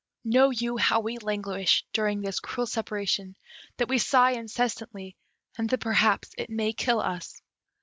_ "Know you how we languish during this cruel separation; that we sigh incessantly, and that perhaps it may kill us.